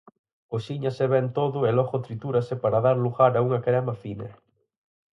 Cocíñase ben todo e logo tritúrase para dar lugar a unha crema fina.